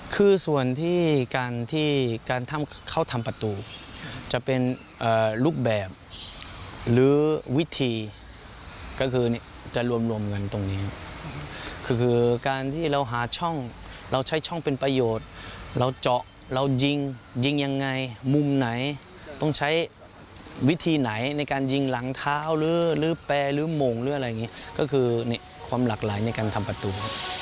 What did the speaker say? คือส่วนที่การที่การเข้าทำประตูจะเป็นรูปแบบหรือวิธีก็คือจะรวมรวมกันตรงนี้คือการที่เราหาช่องเราใช้ช่องเป็นประโยชน์เราเจาะเรายิงยิงยังไงมุมไหนต้องใช้วิธีไหนในการยิงหลังเท้าหรือแปรหรือโมงหรืออะไรอย่างนี้ก็คือความหลากหลายในการทำประตูครับ